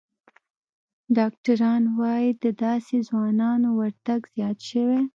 ډاکتران وايي، د داسې ځوانانو ورتګ زیات شوی